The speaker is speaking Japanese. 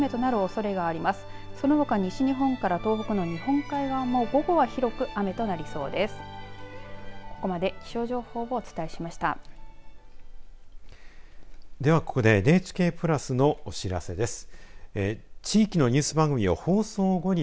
そのほか西日本から東北の日本海側も午後は広く雨となりそうです。